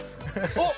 おっ！